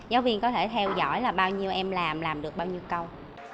giáo viên có thể theo dõi là bao nhiêu em làm làm được bao nhiêu câu